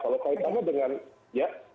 kalo kaitannya dengan ya